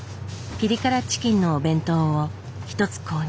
ピリ辛チキンのお弁当を一つ購入。